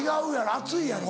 暑いやろ？